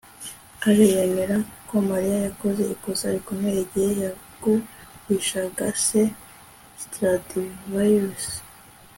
alain yemera ko mariya yakoze ikosa rikomeye igihe yagurishaga se stradivarius